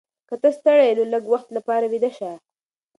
که ته ستړې یې نو لږ وخت لپاره ویده شه.